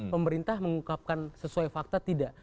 pemerintah mengungkapkan sesuai fakta tidak